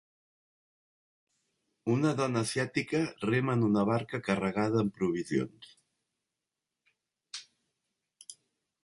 Una dona asiàtica rema en una barca carregada amb provisions